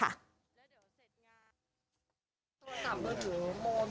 แล้วเดี๋ยวเสร็จอย่าง